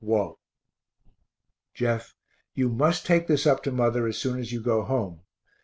WALT. Jeff, you must take this up to mother as soon as you go home.